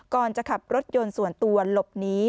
ก่อนจะขับรถยนต์ส่วนตัวหลบหนี